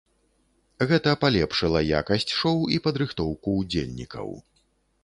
Гэта палепшыла якасць шоу і падрыхтоўку ўдзельнікаў.